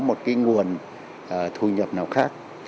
một cái nguồn thu nhập nào khác